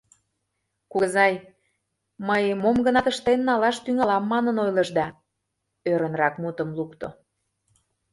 — Кугызай, мый мом-гынат ыштен налаш тӱҥалам манын ойлышда, — ӧрынрак мутым лукто.